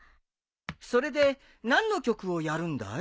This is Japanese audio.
それで何の曲をやるんだい？